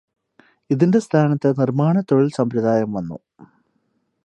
ഇതിന്റെ സ്ഥാനത്തു് നിർമാണത്തൊഴിൽ സമ്പ്രദായം വന്നു.